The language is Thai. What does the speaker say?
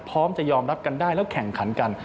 พร้อมจะยอมรับกันได้แล้วแข่งขันกัน